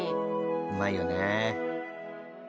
うまいよね。